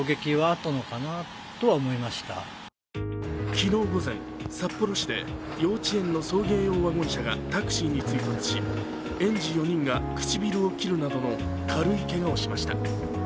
昨日午前、札幌市で幼稚園の送迎用ワゴン車がタクシーに追突し園児４人が唇を切るなどの軽いけがをしました。